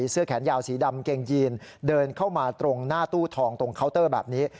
เสื้อแขนยาวสีดำเกงยีนเดินเข้ามาตรงหน้าตู้ทองตรงเคาน์เตอร์แบบนี้